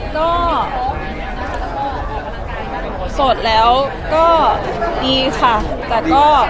ก็โสดแล้วก็ดีค่ะแต่ก็